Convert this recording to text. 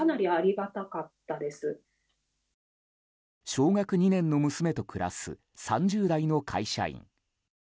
小学２年の娘と暮らす３０代の会社員。